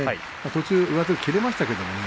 途中上手切れましたけどね。